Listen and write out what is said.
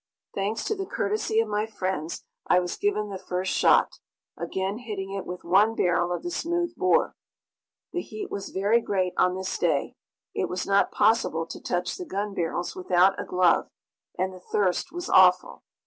Thanks to the courtesy of my friends, I was given the first shot, again hitting it with one barrel of the smooth bore. The heat was very great on this day. It was not possible to touch the gun barrels without a glove, and the thirst was awful.